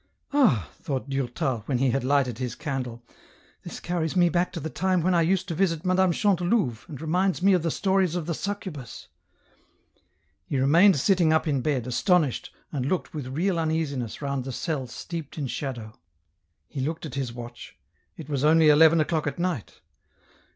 " Ah," thought Durtal, when he had lighted his candle, "this carries me back to the time when I used to visit 170 EN ROUTE. Madame Chantelouve, and reminds me of the stories of the Succubus." He remained sitting up in bed, astonished, and looked with real uneasiness round the cell steeped in shadow. He looked at his watch, it was only eleven o'clock at night.